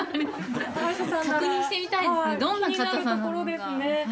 確認してみたいですね、どんな硬さなのか。